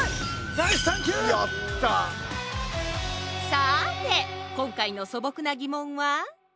さて今回の素朴な疑問は？